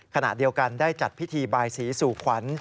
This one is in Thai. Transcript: ขณะเดียวกันได้จัดพิธีบายสีสู่ขวัญ